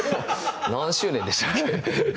何周年でしたっけ？